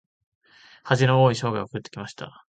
恥の多い生涯を送ってきました。